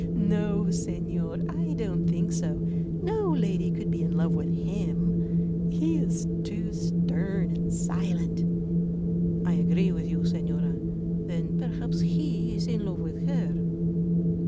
no, Señor, I don't think so; no lady could be in love with him—he is too stern and silent." "I agree with you, Señora. Then perhaps he is in love with her."